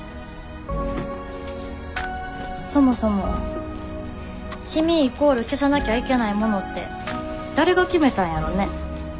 そもそも「染み」イコール「消さなきゃいけないもの」って誰が決めたんやろね。